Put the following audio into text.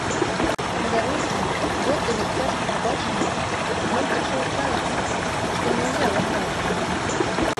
Па дарозе, воддаль ад цяжкага бачання, ён пачаў каяцца, што не ўзяў адразу.